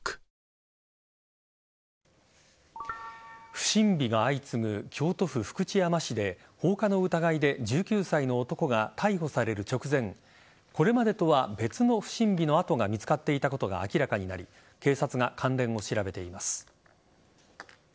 不審火が相次ぐ京都府福知山市で放火の疑いで１９歳の男が逮捕される直前これまでとは別の不審火の跡が見つかっていたことが明らかになり警察が関連を調べています。